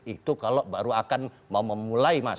itu kalau baru akan mau memulai mas